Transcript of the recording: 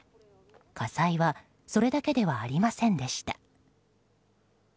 火災はそれだけではありませんでした。